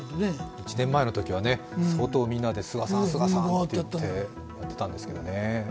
１年前のときは、相当みんなで菅さん、菅さんって言ってやってたんですけどね。